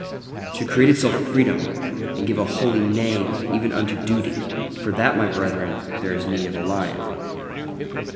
To create itself freedom, and give a holy Nay even unto duty: for that, my brethren, there is need of the lion.